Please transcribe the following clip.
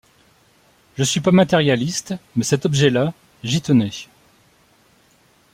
Je suis pas matérialiste, mais cet objet-là, j’y tenais.